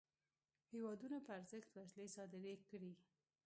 هیوادونو په ارزښت وسلې صادري کړې.